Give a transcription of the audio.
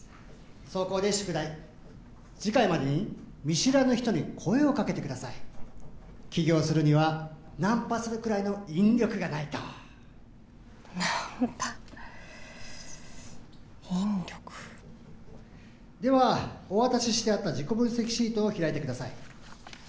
そこで宿題次回までに見知らぬ人に声をかけてください起業するにはナンパするくらいの引力がないとナンパ引力ではお渡ししてあった自己分析シートを開いてください